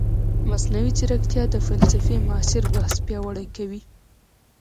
مصنوعي ځیرکتیا د فلسفې معاصر بحث پیاوړی کوي.